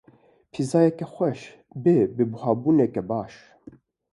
Pîzayeke xweş bi bihabûneke baş.